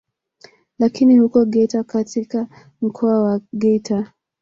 Lakini huko Geita katika mkoa wa Geita